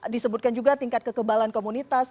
disebutkan juga tingkat kekebalan komunitas